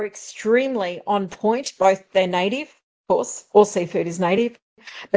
mereka sangat berguna sama ada mereka asli tentu saja semua makanan air adalah asli